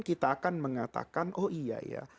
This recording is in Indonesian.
kita akan mengatakan oh iya ya